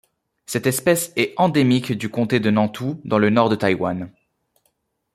Cette espèce est endémique du comté de Nantou dans le Nord de Taïwan.